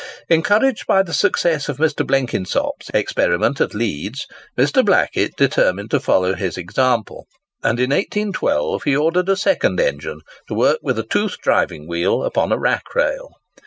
Encouraged by the success of Mr. Blenkinsop's experiment at Leeds, Mr. Blackett determined to follow his example; and in 1812 he ordered a second engine, to work with a toothed driving wheel upon a rack rail.